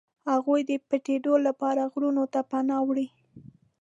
هغوی د پټېدلو لپاره غرونو ته پناه وړي.